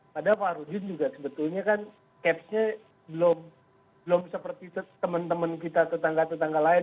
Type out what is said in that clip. padahal pak rudin juga sebetulnya kan capsnya belum seperti teman teman kita tetangga tetangga lain